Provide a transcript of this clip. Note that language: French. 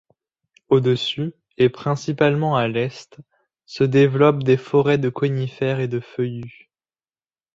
Au-dessus, et principalement à l'est, se développent des forêts de conifères et de feuillus.